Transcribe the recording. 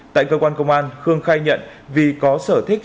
tại cơ quan công an khương khai nhận vì có sở thích